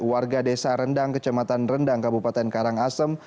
warga desa rendang kecamatan rendang kabupaten karangasem